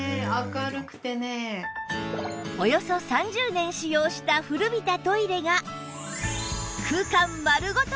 およそ３０年使用した古びたトイレが空間丸ごと